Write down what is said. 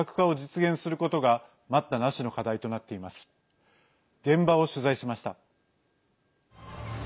現場を取材しました。